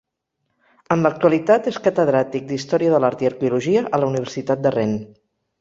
En l'actualitat és catedràtic d'Història de l'Art i Arqueologia a la Universitat de Rennes.